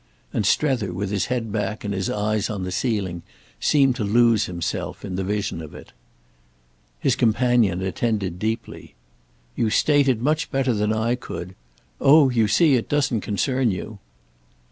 And Strether, with his head back and his eyes on the ceiling, seemed to lose himself in the vision of it. His companion attended deeply. "You state it much better than I could." "Oh you see it doesn't concern you."